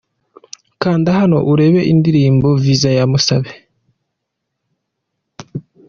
Kanda hano urebe undirimbo "Visa"ya Musabe.